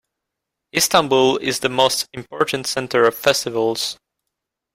Istanbul is the most important center of festivals.